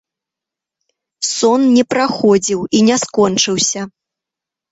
Сон не праходзіў і не скончыўся.